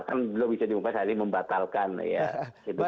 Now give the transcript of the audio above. kan belum bisa diupas jadi membatalkan ya